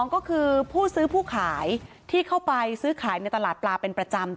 ก็คือผู้ซื้อผู้ขายที่เข้าไปซื้อขายในตลาดปลาเป็นประจำ